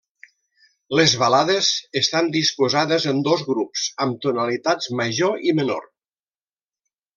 Les Balades estan disposades en dos grups amb tonalitats major i menor.